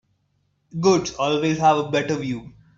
Goats always have a better view.